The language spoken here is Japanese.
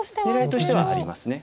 狙いとしてはあります。